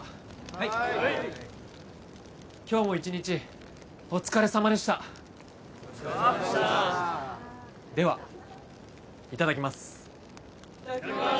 はい今日も一日お疲れさまでしたお疲れさまでしたではいただきますいただきます